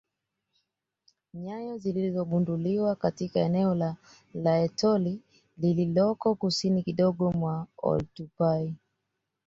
Nyayo zilizogunduliwa katika eneo la Laetoli lililoko kusini kidogo mwa Oltupai